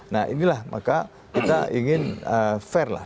nah inilah maka kita ingin fair lah